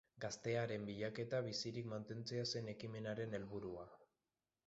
Gaztearen bilaketa bizirik mantentzea zen ekimenaren helburua.